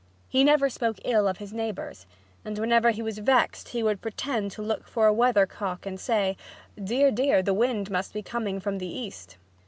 He never spoke ill of his neighbors, and whenever he was vexed he would pretend to look for a weather cock and say, "Dear, dear! The wind must be coming from the east!"